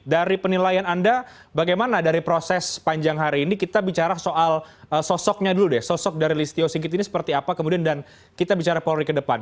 dari penilaian anda bagaimana dari proses panjang hari ini kita bicara soal sosoknya dulu deh sosok dari listio sigit ini seperti apa kemudian dan kita bicara polri ke depan